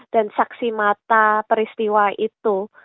dan saksi mata peristiwa itu